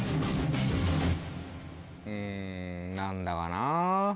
うんなんだかな。